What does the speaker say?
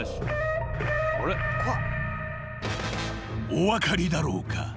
［お分かりだろうか？］